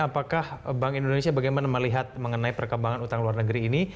apakah bank indonesia bagaimana melihat mengenai perkembangan utang luar negeri ini